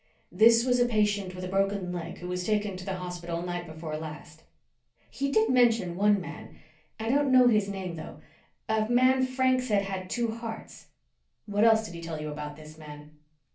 "This was a patient with a broken leg who was taken to the hospital night before last." "He did mention one man. I don't know his name, though. A man Frank said had two hearts." "What else did he tell you about this man?"